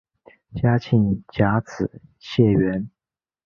嘉靖甲子解元。